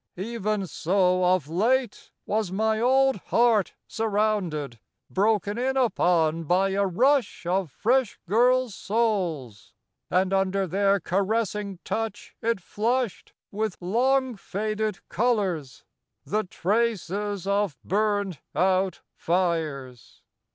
Even so of late was my old heart surrounded, broken in upon by a rush of fresh girls' souls ... and under their caressing touch it flushed with long faded colours, the traces of burnt out fires